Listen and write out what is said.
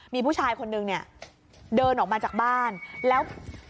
มีผู้ชายคนนึงเนี่ยเดินออกมาจากบ้านแล้ว